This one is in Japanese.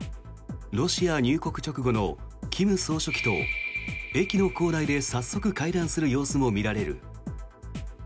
ロシア入国直後の金総書記と駅の構内で早速、会談する様子も見られる。